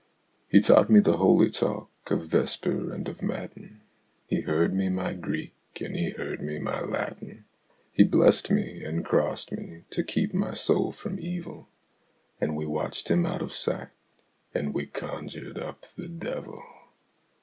He taught me the holy talk of Vesper and of Matin, He heard me my Greek and he heard me my Latin, He blessed me and crossed me to keep my soul from evil, And we watched him out of sight, and we conjured up the devil!